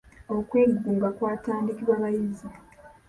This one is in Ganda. Okwegugunga kwatandikibwa bayizi.